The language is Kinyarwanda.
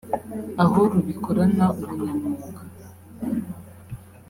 aho rubikorana ubunyamwuga